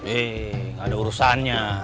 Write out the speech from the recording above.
eh gak ada urusannya